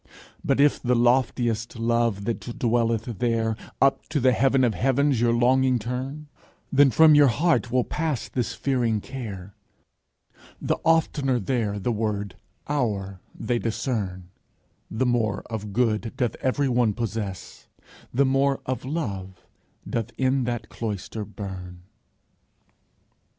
But if the loftiest love that dwelleth there Up to the heaven of heavens your longing turn, Then from your heart will pass this fearing care: The oftener there the word our they discern, The more of good doth everyone possess, The more of love doth in that cloister burn.